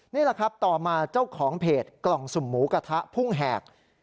นี่แหละครับต่อมาเจ้าของเพจกล่องสุ่มหมูกระทะพุ่งแหก